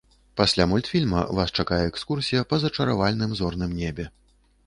Пасля мультфільма вас чакае экскурсія па зачаравальным зорным небе.